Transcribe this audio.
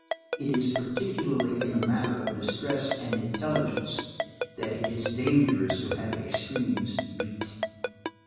It is particularly in the matter of distress and intelligence that it is dangerous to have extremes meet.